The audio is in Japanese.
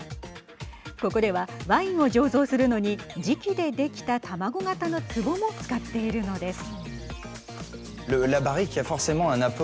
ここでは、ワインを醸造するのに磁器でできた卵形のつぼも使っているのです。